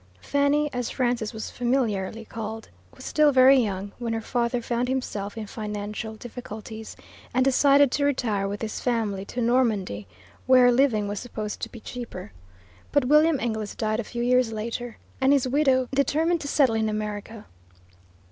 Fanny, as Frances was familiarly called, was still very young when her father found himself in financial difficulties and decided to retire with his family to Normandy where living was supposed to be cheaper. But William Inglis died a few years later, and his widow determined to settle in America.